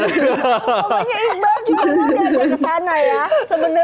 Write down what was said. makanya iqbal juga memang diajak ke sana ya